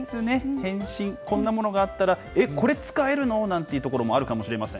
変身、こんなものがあったら、えっ、これ使えるのなんてこともあるかもしれません。